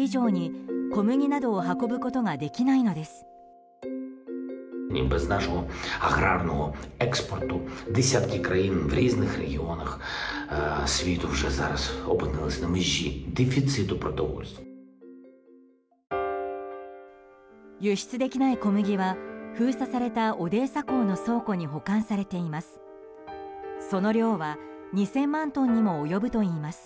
輸出できない小麦は封鎖されたオデーサ港の倉庫に保管されています。